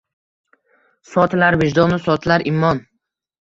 Sotilar vijdonu sotilar imon!